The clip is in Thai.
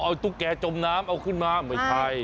เอาตุ๊กแกจมน้ำเอาขึ้นมาไม่ใช่